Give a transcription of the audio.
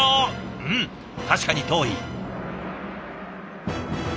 うん確かに遠い。